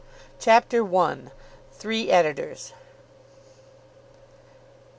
CHAPTER I. THREE EDITORS.